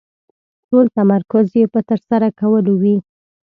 ټول تمرکز يې په ترسره کولو وي.